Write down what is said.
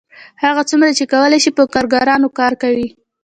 هغه څومره چې کولی شي په کارګرانو کار کوي